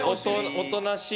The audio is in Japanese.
おとなしい。